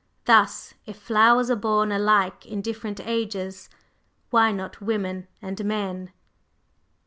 Thus, if flowers are born alike in different ages, why not women and men?"